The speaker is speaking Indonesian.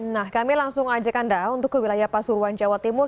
nah kami langsung ajak anda untuk ke wilayah pasuruan jawa timur